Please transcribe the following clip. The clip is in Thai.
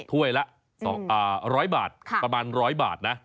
ถ้วยละร้อยบาทประมาณร้อยบาทนะ